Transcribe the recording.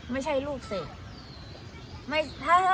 ไม่ใช่ลูกเสก